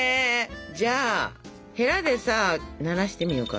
じゃあヘラでさならしてみようか。